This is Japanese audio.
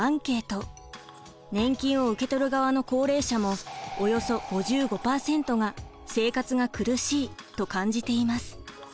年金を受け取る側の高齢者もおよそ５５％が「生活が苦しい」と感じています。